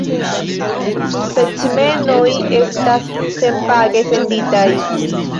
Specimenoj estas senpage senditaj.